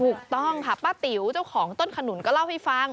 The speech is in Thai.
ถูกต้องค่ะป้าติ๋วเจ้าของต้นขนุนก็เล่าให้ฟัง